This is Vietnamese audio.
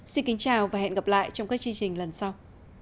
xin kính chào và hẹn gặp lại trong các chương trình lần sau